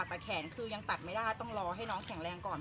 แต่แขนคือยังตัดไม่ได้ต้องรอให้น้องแข็งแรงก่อน